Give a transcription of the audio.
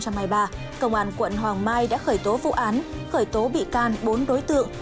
công an quận hoàng mai đã khởi tố vụ án khởi tố bị can bốn đối tượng